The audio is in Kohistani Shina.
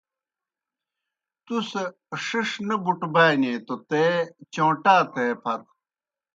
تُس ݜِݜ نہ بُٹبانیئی توْ تے چوݩٹا تھے پھت۔